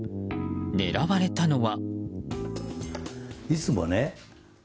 狙われたのは。